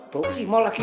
bawa ke si mall lagi